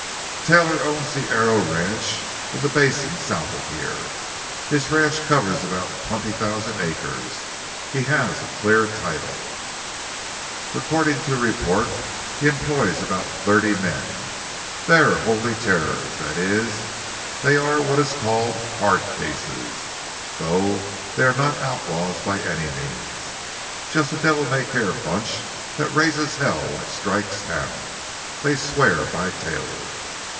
"Taylor owns the Arrow ranch, in the basin south of here. His ranch covers about twenty thousand acres. He has a clear title. "According to report, he employs about thirty men. They are holy terrors—that is, they are what is called 'hard cases,' though they are not outlaws by any means. Just a devil may care bunch that raises hell when it strikes town. They swear by Taylor."